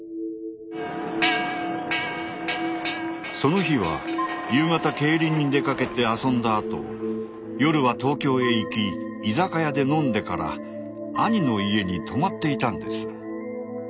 その日は夕方競輪に出かけて遊んだあと夜は東京へ行き居酒屋で飲んでから兄の家に泊まっていたんです。